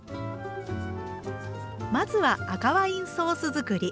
まずは赤ワインソース作り。